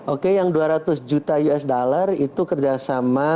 oke yang dua ratus juta usd itu kerjasama